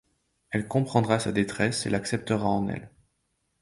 Elle comprendra sa détresse et l'acceptera en elle.